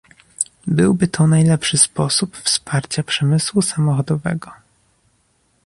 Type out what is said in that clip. Byłby to najlepszy sposób wsparcia przemysłu samochodowego